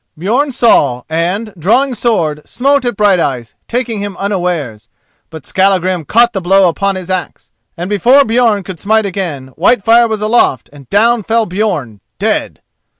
Björn saw, and, drawing sword, smote at Brighteyes, taking him unawares. But Skallagrim caught the blow upon his axe, and before Björn could smite again Whitefire was aloft and down fell Björn, dead!